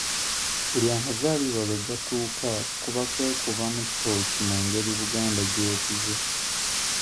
Buli amazaalibwa lwe gatuuka kuba kwekubamu ttooci mu ngeri Buganda gy'ekuze